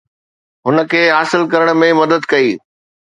هن کي حاصل ڪرڻ ۾ مدد ڪئي